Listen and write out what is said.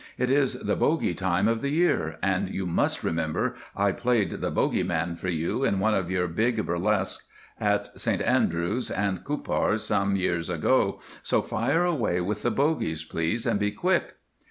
It is the bogie time of the year, and you must remember I played the 'Bogie Man' for you in one of your big burlesques at St Andrews and Cupar some years ago, so fire away with the bogies, please, and be quick."